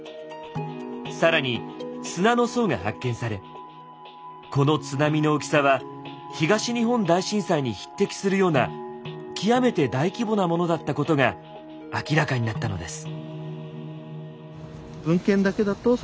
更に砂の層が発見されこの津波の大きさは東日本大震災に匹敵するような極めて大規模なものだったことが明らかになったのです。